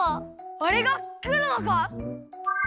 あれがくるのか！？